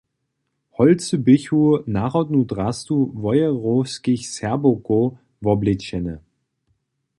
Holcy běchu narodnu drastu Wojerowskich Serbowkow woblečene.